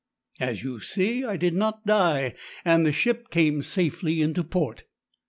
As you see I did not die, and the ship came safely into port.